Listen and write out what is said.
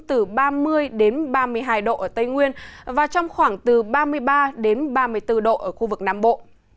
từ ba mươi ba mươi hai độ ở tây nguyên và trong khoảng từ ba mươi ba ba mươi bốn độ ở khu vực nam bộ